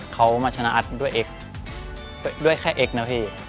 เขามาชนะอัดด้วยเอ็กซ์ด้วยแค่เอ็กซนะพี่